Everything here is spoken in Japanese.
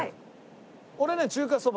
俺ね中華そば。